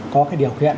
có cái điều kiện